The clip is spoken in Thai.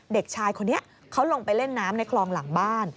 เด็กชายคนนี้เขาลงไปเล่นน้ำในคลองหลังบ้าน